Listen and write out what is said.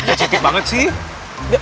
ini citip banget sih